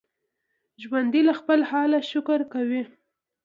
ژوندي له خپل حاله شکر کوي